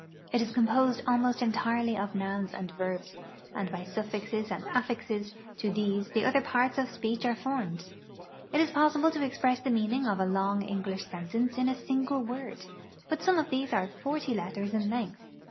It is composed almost entirely of nouns and verbs, and by suffixes and affixes to these the other parts of speech are formed. It is possible to express the meaning of a long English sentence in a single word, but some of these are forty letters in length.